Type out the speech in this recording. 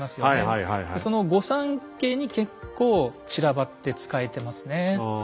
その御三家に結構散らばって仕えてますね。